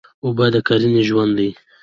اوبه د کرنې ژوند دی.